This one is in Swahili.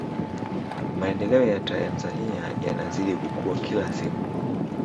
maendeleo ya tanzania yanazidi kukua kila siku